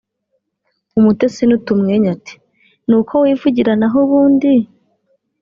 “ Umutesi n’utumwenyu ati “ Ni uko wivugira naho ubundi ……